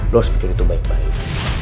lo harus pikir itu baik baik